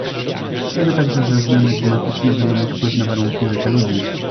Wiemy także, że zmiany klimatyczne będą mieć wpływ na warunki życia ludzi